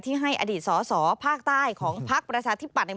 ที่ให้อดีตสศภาคใต้ของภาคประชาธิปัตย์